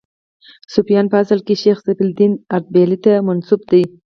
صفویان په اصل کې شیخ صفي الدین اردبیلي ته منسوب دي.